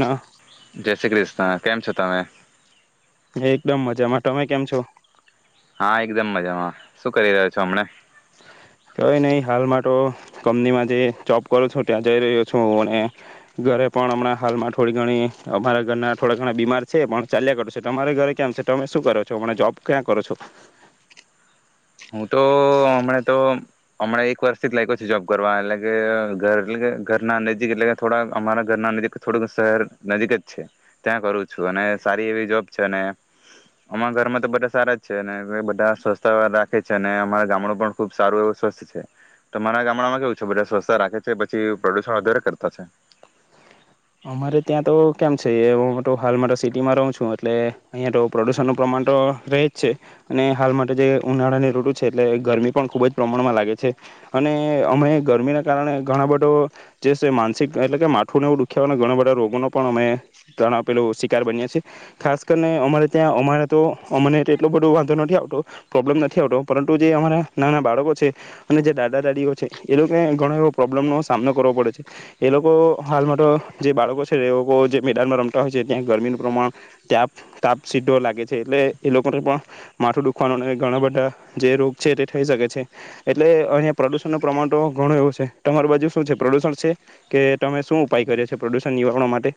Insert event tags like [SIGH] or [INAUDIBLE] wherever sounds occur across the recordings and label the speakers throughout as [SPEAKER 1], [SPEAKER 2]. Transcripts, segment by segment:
[SPEAKER 1] ના
[SPEAKER 2] જય શ્રી કૃષ્ણા. કેમ છો, તમે?
[SPEAKER 1] એકદમ મજામાં, તમે કેમ છો?
[SPEAKER 2] હા, એકદમ મજામાં, શું કરી રહ્યો છો, હમને?
[SPEAKER 1] કઈ નહી હાલમાં તો કંપનીમાં જે જોબ કરો છો ત્યાં જઈ રહ્યો છું અને ઘરે પણ હમણાં હાલમાં થોડી ઘણી અમારા ઘરના થોડા ઘણા બીમાર છે, પણ ચાલ્યા કરો છે, તમારે ઘરે કેમ છે, તમે શું કરો છો, હમણાં જોબ ક્યાં કરો છો?
[SPEAKER 2] હું તો હમણા તો હમણાં એક વર્ષથી જ લાયકો છું જોબ કરવા, એટલે કે ઘર એટલે કે ઘર ના નજીક એટલે કે થોડા અમારા ઘર ના નજીક થોડુંક શહેર નજીક જ છે ત્યાં કરું છું અને સારી એવી જોબ છે ને અમાણા ઘરમાં તો બધા સારા જ છે બધા સ્વસ્થ રાખ. રાખે છે અને અમારા ગામડું પણ ખુબ સારું એવ સ્વસ્થ છે. તમારા ગામડામાં કેવું છે, બધા સ્વસ્છતા રાખે છે, પછી પ્રદૂષણ વધારે કરતા છે?
[SPEAKER 1] અમારે ત્યાં તો કેમ છે એ હું તો હાલમાં સિટીમાં રહું છું, એટલે અહીંયા તો પ્રદુષણનું પ્રમાણ તો રહે જ છે અને હાલ માટે જે ઉનાળાની ઋટુ છે એટલે ગરમી પણ ખૂબજ પ્રમાણમાં લાગે છે અને અમે ગરમીના કારણે ઘણા બધો જે છે માનસિક એટલે કે માથું નેવું દુખ ખ્યાવાના ઘણા બધા રોગોનો પણ અમે ત્રણ આપેલો શિકાર બન્યા છીએ, ખાસ કરીને અમારે ત્યાં અમારે તો અમને એટલો બધો વાંધો નથી આવતો, પ્રોબ્લેમ નથી આવતો, પરંતુ જે અમારા નાના બાળકો છે અને જે દાદા દાદીઓ છે એ લોકોને ઘણો એવો પ્રોબ્લમનો સામનો કરવો પડે છે, એ લોકો હાલમાં તો જે બાળકો છે એ લોકો જે મેદાનમાં રમતા હોય છે ત્યાં ગરમીનું પ્રમાણ ત્યાપ તાપ સીધો લાગે છે, એટલે એ લોકોને પણ માથું દુખવાનું ઘણા બધા જે રોગ છે તે થઈ શકે છે, એટલે અહીંયા પ્રદુષણ ન પ્રમાણ તો ઘણું એવું છે, તમારી બાજુ શું છે, પ્રદુષણ છે કે તમે શું ઉપાય કર્યો છો? પ્રદુષણ નિવારણ માટે.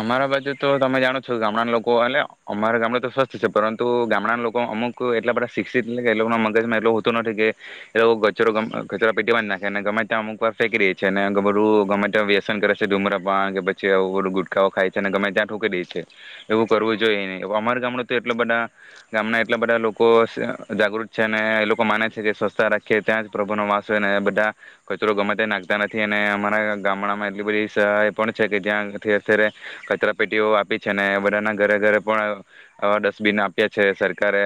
[SPEAKER 2] અમારા બાજુ તો તમે જાણો ગામડાના લોકો અને અમારા ગામડે તો સ્વસ્થ છે પરંતુ ગામડાના લોકો અમુક એટલા બધા શિક્ષિત કે એ લોકો મગજમાં એટ હોતું નથી કે એ લોકો કચરો કચરો પેટી માંજ નાખેને ગમે ત્યાં અમુક વા ફેંકી દે છે, અને બધું ગમે ત્યાં વ્યસન કરે છે, ધુમરાપાન કે પછી બધું ગુટકાઓ ખાય છે ને ગમે ત્યાં થૂંકી દે છે, એવું કરવું જોઈએ નઈ. અમારા ગામડુ તો એટલા બધા ગામના એટલા બધા લોકો જાગૃત છે ને એ લોકો માને છે કે સ્વસ્છતા રાખીે ત્યાં જ પ્રભનો વાસ હોય, ને બધા કચરો ગમે ત્યાં નાખતા નથી અને અમારા ગામડામાં એટલી બધી સહ એ પણ છે કે જ્યાં કચરા પેટીઓ આપી છે, બધાના ઘરે ઘરે પણ આવા ડસ્ટબિન આપ્યા છે સરકારે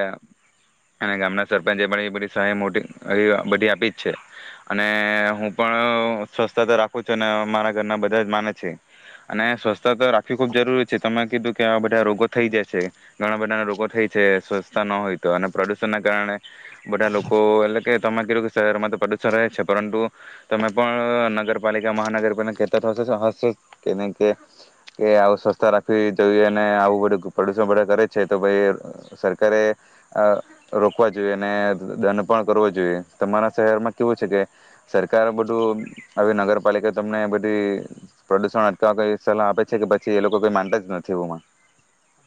[SPEAKER 2] અને ગામના સરપંચે પણ એ બધી સહાય મોટી બધી આપીજ છે અને હું પણ સ્વસ્થ તો રાખું છું અને મારા ઘરના બધા જ માને છે અને સ્વચછતા તો રાખવી ખૂબ જરૂરી છે, તમે કીધું કે આવા બધા રોગો થઈ જાય છે, ઘણા બધા ના રોગો થાય છે, સ્વચ્તા ન હોય તો અને પ્રદુષણ ના કારણે બધા લોકો એટલે કે તમે કીધું કે શહેરમાં તો પ્રદુષણ રહે છે, પરંતુ તમે પણ નગરપાલિકા મહાનગરપાલિકા કહેતા હશે હશે કે કે? કે આવું સ્વસ્તા રાખવી જોઈએ અને આવું બધું પ્રદુષણ બધા કરે છે, તો ભાઈ સરકારે રોકવા જોઈએ અને દંડ પણ કરવો જોઈએ. તમારા શહેરમાં કેવું છે કે સરકાર બધું આવી નગરપાલિકા તમને બધી પ્રદુષણ અટકવા સલાહ આપે છે કે પછી એ લોકો કઈ નતા જ નથી એુંમાં?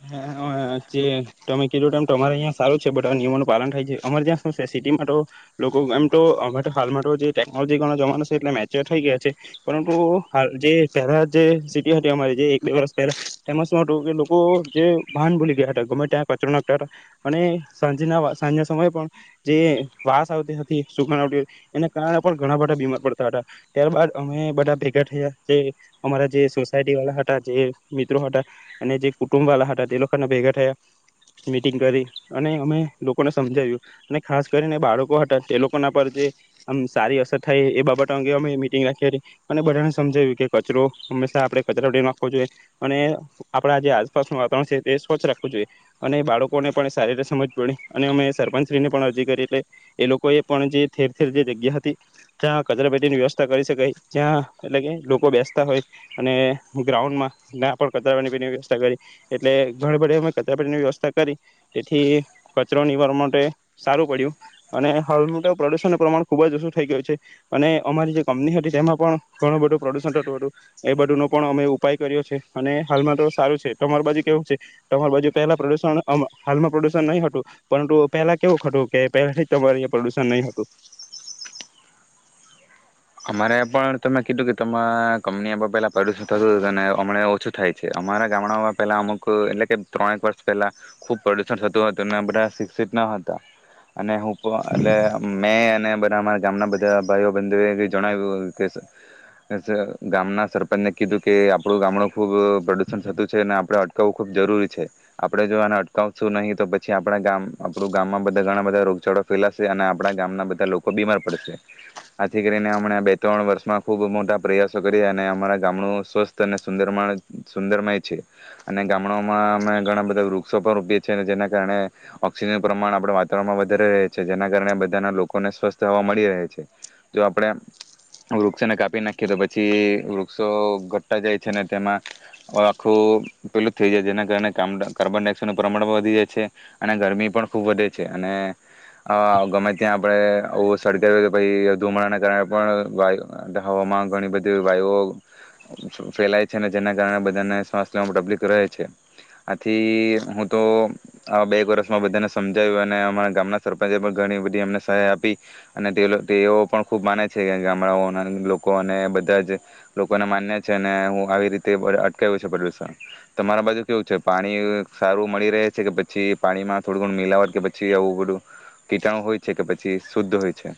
[SPEAKER 1] હા જે તમે કીધું તેમ તમારે અહીંયા સારું છે બધા નિયમોનું પાલન થાય છે. અમારે ત્યાં શું છે સિટીમાં તો લોકો એમ તો હાલમાં જે ટેકનોલોજી વાળો જમાનો છે એટલે મેચ્યોર થઈ ગયા છે, પરંતુ હાલ જે પહેલા જે સિટી હતી અમારી જે એક બે વર પહેલા ફેમસ હતું, કે લોકો જે ભાન ગયા ગમે ત્યાં કચરો નાખતા હતા અને સાંજના સાંજના સમયે પણ જે વાસ આવતી હતી સુક આવતી એના કારણે પણ ઘણા બધા બીમાર પડતા હતા, ત્યારબાદ અમે બધા ભેગા થયા જે અમારા જે સોસાયટી વાળા હતા જે મિત્રો હતા અને જે કુટુંબ વાળા હતા તે લોકો આખાના ભેગા થયા, મિટિંગ કરી અને અમે લોકોને સમજાવ્યું અને ખાસ કરીને બાળકો હતા તે લોકોના પર જે આમ સારી અસર થાય એ બાબતો અંગે અમે મિટિંગ રાખી હતી અને બધાને સમજાવ્યું કે કચરો હંમેશા આપડે કચરા પેટીમાં નાખવો જોઈએ અને આપણા જે આસપાસનું વાતાવરણ છે એ સ્વચ્છ રાખવું જોઈએ અને બાળકોને પણ સારી રીતે સમજ પડી અને અમે સરપંચશ્રીને પણ અરજી કરી એટલે એ લોકોએ પણ જે ઠેર ઠેર જે જગ્યા હતી ત્યાં કચરા પેટીની વ્યવસ્થા કરી શકાય, જ્યાં એટલે કે લોકો બેસતા હોય અને ગ્રાઉન્ડમાં ના્યાં પણ કચરાપેણી પેટીની વ્યવસ્થા કરી એટલે ઘણી બધે અમે કચરાપેટીની વ્યવસ્થા કરી તેથી કચરોની ફ માટે સારું પડ્યું અને હાલમેટ પ્રદૂષણનું પ્રમાણ ખૂબજ ઓછું થઈ ગયું છે અને અમારી જે કંપની હતી તેમાં પણ ઘણું બધું પ્રદૂષણ થતું હતું, એ બધુંનો પણ અમે ઉપાય કર્યો છે અને હાલમેટ સારું છે, તમારી બાજુ કેવું છે, તમાર બાજુ પહેલા પ્રદુષણ હાલમાં પ્રદુષણ નહી હતું, પરંતુ પહેલા કેવું હતું, કે પલા તમાર પ્રદુષણ નહી હતું?
[SPEAKER 2] અમારે પણ તમે કીધું કે તમારા કંપની બા પેલા પ્રદુષણ થતું હતું અને હમ ઓછું થાય છે, અમારા ગામડાઓમાં પહેલાં અમુક એટલે કે ત્રણેક વર્ષ પહેલાં ખૂબ પ્રદૂષણ થતું હતું અને બધા શિક્ષિત ન હતા અને હું [UNINTELLIGIBLE] એટલે આમ મેં અને બધારા ગામના બધા ભાઈઓ બંધુ જણાવ્યું કે ગામના સરપંચને કીધું કે આપણું ગામડું ખૂબ પ્રદુષણ થતું છે અને આપણે અટકાવવું ખૂબ જરૂરી છે. આપડે જો આને અટકાવશું નહી, તો પછી આપડા ગામ આપણું ગામમાં બધા ઘણા બધા રોગચાળો ફેલાશે અને આપણા ગામના બધા લોકો બીમાર પડશે, આથી કરીને અ બે ત્રણ વર્ષમાં ખૂબ મોટા પ્રયાસો કરીએ અને અમારા ગામડું સ્વસ્થ અને સુંદર સુંદરમય છે અને ગામડામાં અમે ઘણા બધા વૃક્ષો પણ રોપીએ છીએ અને જેના કારણે ઓક્સિજનનું પ્રમાણ આપણે વાતાવરણમાં વધારે રહે છે, જેના કારણે બધાના લોકોને સ્વસ્થ હવા મળી રહે છે. જો આપડે વૃક્ષોને કાપી નાખીએ તો પછી વૃક્ષો ઘટતા જાય છે ને તેમાં આખું પેલું જ થઈ જાય છે જેના કારણેામ કાર્બન ડાયક્સાઇડનું પ્રમાણ પણ વધી જાય છે અને ગરમી પણ ખૂબ વધે છે અને ગમે ત્યાં આપડણે સળગાવીએ તો પછી ધુમડાને કારણે પણ વાય હવામાં ઘણી બધી વાયુઓ ફેલાય છે અને જેના કારણે બધાને શ્વાસ લેવામાં તકલીક રહે છે. આથી હું તો આ બે વર્ષમાં બધાને સમજાવ્યું અને અમારા ગામના સરપંચે પણ ઘણી બધી એમને સહાય આપી અને તેઓ પણ ખુબ માને છે કે ગામડાઓના લોકો અને બધા જ લોકોને માન્ય છે અને હું આવી રીતે અટકાવું છે પ્રદષણ. તમારા બાજુ કેવું છે, પાણી સારું મળી રહે છે કે પછી પાણીમાં થોડું ઘણું મિલાવટ કે પછી આવું બધું કીટાણુ હોય છે, કે પછી શુદ્ધ હોય છે?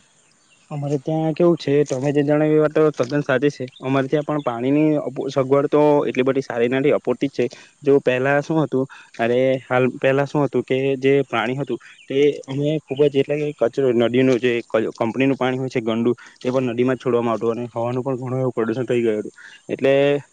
[SPEAKER 1] અમારે ત્યાં કેવું છે તમે જે જાણે એ વાત તદ્દન સાચી છે અમારે ત્યાં પણ પાણીની સગવડ તો એટલી બધી સારી નથી અપૂર્તી જ છે જો પહેલા શું હતું અરે હાલ પહેલા શું હતું કે જે પાણી હતું તે અમે ખુબ જ એટલે કે કચરો નદીનું જે કંપનીનું. પાણી હોય છે ગંડું એ પણ નદીમાં જ છોડવામાં આવતું અને હવાનું પણ ઘણું એવું પ્રદુષણ થઈ ગયું હતું એટલે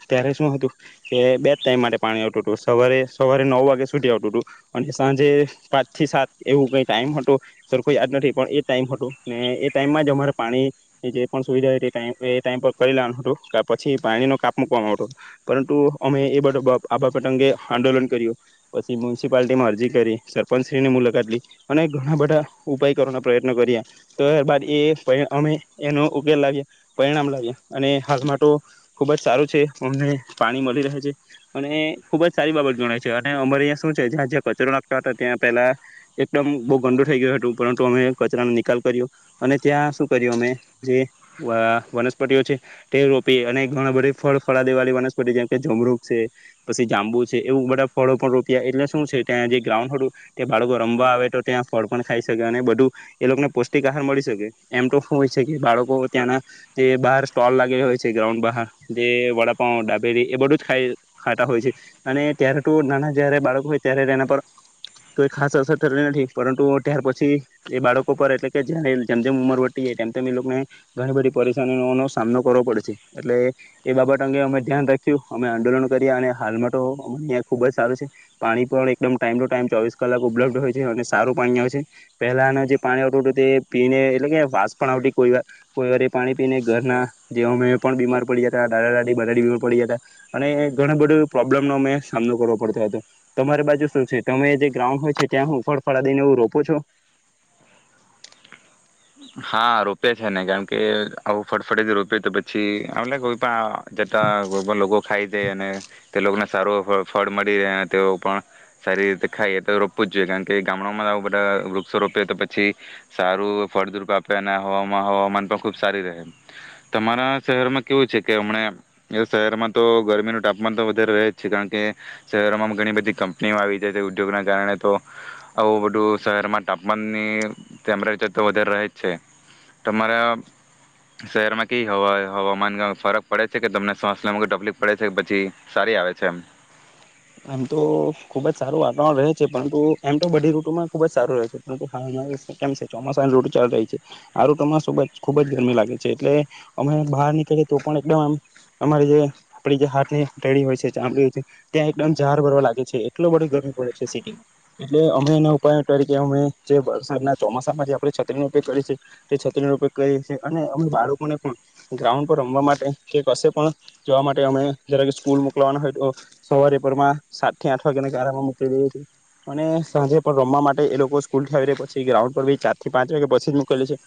[SPEAKER 1] ત્યારે શું હતું કે બે જ ટાઈમ માટે પાણી આવતું હતું સવારે સવારે નવ વાગ્યા સુધી આવતું હતું અને સાંજે પાંચથી સાત એવું કંઈ ટાઈમ હતો સર કોઈ યાદ નથી પણ એ ટાઈમ હતો ને એ. ટાઈમમાં જ અમારે પાણી જે પણ સુવિધા ટ એ ટાઈમ પર કરી લેવાનું હતું પછી પાણીનો કાપ મુૂકવામાં આવતો પરંતુ અમે એ બધો આ બાપટ અંગે આંદોલન કર્યું પછી મ્યુનિસિપાલિટીમાં અરજી કરી સરપંચશ્રીની મુલાકાત લી અને ઘણા બધા ઉપાય કરવાના પ્રયત્ન કર્યા ત્યારબાદ. એ અમે એનો ઉકેલ લાગીએ પરિણામ લાવીએ અને હાાલમાં તો ખુબ જ સારું છે અમને પાણી મળી રહે છે અને ખુબ જ સારી બાબત ગણાય છે અને અમારે અ્યાં શું છે્યાં જ્યાં કચરો નાખતા હતા ત્યાં પહેલા એકદમ બહુ ગંડો થઈ ગયો હતું પરંતુ અમે કચરાનો નિકાલ કર્યો. અને ત્યાં શું કર્યું અમે જે વનસ્પતિઓ છે તે રોપી અને ઘણા બધી ફળ ફળા દેવાળી વનસ્પતિ જેમકે જમરૂુક છે પછી જાંબુ છે એવું બધા ફળો પણ રોપ્યા એટલે શું છે ત્યાં જે ગ્રાઉન્ડું બાળકો રમવા આવે તો ત્યાં ફળ પણ ખાઈ શકે અને બધું એ લોકોને પૌષ્ટિક આહાર મળી શકે. એમ તો હોય છે કે બાળકો ત્યાંના જે બહાર સ્ટોલ લાગેલા હોય છે ગ્રાઉન્ડ બહાર જે વડાપ ડાબેરી એ બધું જાય ખાતા હોય છે અને ત્યારે તો નાના જયારે બાળકો હોય ત્યારે એના પર કોઈ ખાસ અસર થલી નથી પરંતુ ત્યાર પછી એ બાળકો પર એટલે કે જારે. જેમ તેમ ઉંમર વટી જાય તેમ તેમ એ લોકોને ઘણી બધી પરેશાનીઓનોો સામનો કરવો પડે છે એટલે એ બાબત અંગે અમે ધ્યાન રાખ્યું અમે આંદોલન કર્યા અને હાલમાં તો અ અ્યાં ખૂબ જ સારું છે પાણી પણ એકદમ ટાઈમ ટુ ટાઈમ ચોવીસ કલાક ઉપલબ્ધ હોય છે અને સારું પાણી આવે છે પહેલાના જે પાણી આવતું હતું તે. પીને એટલે કે વાસ પણ આવતી કોઈ વાર કોઈ વાર પાણી પીને ઘરના જે અ પણ બીમાર પડી જતા દાદા દાદી બધા બીમાર પડી જ હતા અને ઘણ બધું પ્રોબ્લેમનોો અમે સામનો કરવો પડતો હતો તમારી બાજુ શું છે તમે જે ગ્રાઉન્ડ હોય છે ત્યાં હું ફળફળા દને એું રોપો છો.
[SPEAKER 2] હા રોપ્યા છે ને કારમ કે આવું ફટફટેથી રોપ્યો તો પછી એમ કોઈ પણ. [UNINTELLIGIBLE] અને તે લોકોને સારું ફળ મળી રહે અને તેઓ પણ સારી રીતે ખાઈ તો રોપવું જ જોઈએ કારણ કે ગામડામાં બધા વૃક્ષો રોપે તો પછી સારું. ફળદ્રપ આપે અને હવામાં હવામાન પણ ખૂબ સારી રહે તમારા શહેરમાં કેવું છે કે હમણાં એ શહેરમાં તો ગરમીનું તાપમાન તો વધારે રહે જ છે કારણ કે શહેરોમાં ઘણી બધી કંપનીઓ આવી જાય છે ઉદ્યોગના કારણે તો આવું બધું શહેરમાં તાપમાનની ટેમ્પરેચર તો વધારે રહે જ છે તમારા શહેરમાં કે હવા હવામાન ફરક પડે છે કે તમને શ્વાસ લમાં કોઈ તકલીફ પડે છે કે પછી સારી આવે છે એમ
[SPEAKER 1] એમ તો ખુબ જ સારું વાતાવરણ રહે છે પરંતુ એમ તો બધી રૂટોમાં ખુબ જ સારું રહે છે પરંતુ હમ છે ચોમાસા રૂટ ચાલુ રહી છે આ રૂટોમાંબ ખુબ જ ગરમી લાગે છે એટલે અમે બહાર નીકળીએ તો પણ એકદમમ અમારી જે આપ જે હાથળ હોય છે ચામડી હોય છે ત્યાં એકદમ ઝાડ ભરવા લાગે છે એટલો બ ગરમી પડે છે સિટીમાં એટલે અમે એના ઉપાય કરી કે અમે જે વરસાદના ચોમાસામાં જે આપણે છત્રીનોો ઉપયોગ કરીએ છીએ તે છત્રીનોો ઉપયોગ કરીએ છીએ અને અમે બાળકોને પણ ગ્રાઉન્ડ પર રમવા માટે કે કશે પણ જવા માટે અમે જરા સ્કૂલ મોકલવાના હોય તો સવારે પરમાં સાત થી આઠ વાગ્યા કારારામાં મલી હતી અને સાંજે પણ રમવા માટે એ લોકો સ્કૂલ થી આવી રહ્યા પછી ગ્રાઉન્ડ પર બી ચાર થી પાંચ વાગ્યા પછી જ મુૂકેલી છે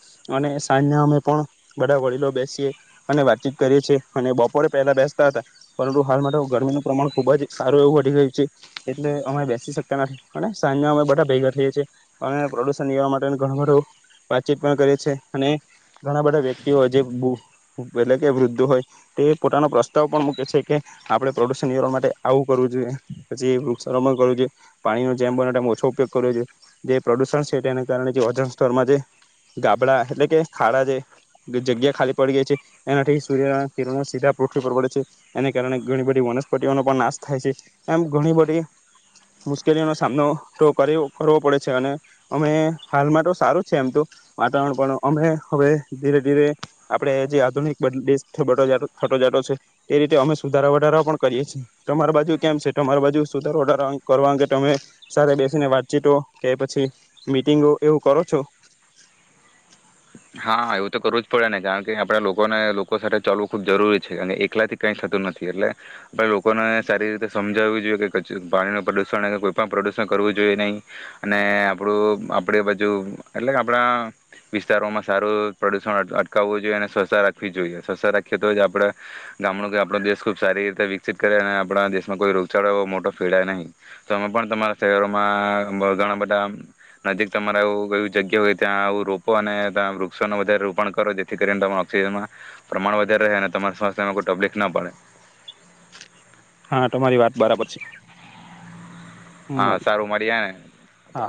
[SPEAKER 1] અને સાંજના અમે પણ બધા વડીલો બેસીએ અને વાતચીત કરીએ છીએ અને બપોરે પહેલા બેસતા હતા પરંતુ હાલ માટે ગરમીનું પ્રમાણ ખૂબ જ સારું એવું હી ગયું છે એટલે અમે બેસી શકતા નથી અને સાંજના અમે બધા ભેગા થઈએ છીએ અમે પ્રદુષણ નિવરવા માટે ઘણ બધો વાતચીત પણ કરીએ છીએ અને ઘણા બધા વ્યક્તિઓ જે એટલે કે વૃદ્ધો હોય તે પોતાનો પ્રસ્તાવ પણ મૂકે છે કે આપણે પ્રદુષણ નિરવા માટે આવું કરવું જોઈએ પછી વૃક્ષારોપણ કરવું જોઈએ પાણીનો જેમ બ ઓછો ઉપયોગ કરવો જોઈએ જે પ્રદુષણ છે તેને કારણે જે વજન સ્તળમાં જે ગાબડા એટલે કે ખાડા જે જગ્યા ખાલી પડી ગયા છે એનાથી સૂર્યના કિરણો સીધા પૃથ્વી પર પડે છે એને કારણે ઘણી બધી વનસ્પતિ ન પણ નાશ થાય છે એમ ઘણી બધી મુશ્કેલીઓનો સામનો તો કરવો પડે છે અને અમે હાલમાં તો સારું છે એમ તો વાતાવરણ પણ અમે હવે ધીરે ધીરે આપણે જે આધુનિક બ બ થટો જાટો છે તે રીતે અમે સુધારા વધારા પણ કરીએ છી તમારા બાજુ કેમ છે તમારી બાજુ સુધાર ઓર્ડર કરવા અંગે તમે સ બેસીને વાતચીતો કે પછી મીટિંગો એવું કરો છો
[SPEAKER 2] હા એવું તો કરવું જ પડે નને કારણ કે આપડા લોકોને લોકો સાથે ચલવું ખૂબ જરૂરી છે કારણ એકલા થી કઈ થતું નથી એટલે આપ લોકોને સારી રીતે સમજાવવીું જોઈએ કે પાણીનું પ્રદુષણ કોઈ પણ પ્રદુષણ કરવું જોઈએ નહી અને આપડું આપડ બાજુ એટલે કે આપણા વિસ્તારોમાં સારું પ્રદુષણ અટકાવવું જોઈએ અને સ્વચ્છ રાખવી જોઈએ સ્વચ્છ રાખીએ તો જ આપણે ગામડું કે આપણો દેશ ખૂબ સારી રીતે વિકસિત કરે અને આપણા દેશમાં કોઈ રોગચાળો એવો મોટો ફેડાય નહીં તો અમે પણ તમારા શરીરોમાં ઘણા બધા નજીક તમારા એું એ જગ્યા હોય ત્યાં આવું રોપો અને વૃક્ષો ન વધારે રોપણ કરો જેથી કરીને ઓક્સિજનમાં પ્રમાણ વધારે રહે અને તમારા સ્વાસ્થ્યમાં કોઈ તકલીફ ના પડે
[SPEAKER 1] હા તમારી વાત બરાબર છે
[SPEAKER 2] હા
[SPEAKER 1] મળી
[SPEAKER 2] સારું મર્યે ને
[SPEAKER 1] હા